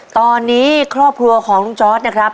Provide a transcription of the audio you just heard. ตอนนี้ครอบครัวของลุงจอร์ดนะครับ